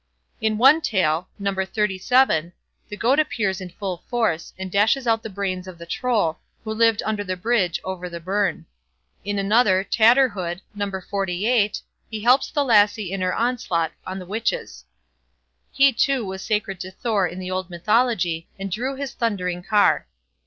In one Tale, No. xxxvii, the Goat appears in full force, and dashes out the brains of the Troll, who lived under the bridge over the burn. In another, "Tatterhood", No. xlviii, he helps the lassie in her onslaught on the witches. He, too, was sacred to Thor in the old mythology, and drew his thundering car.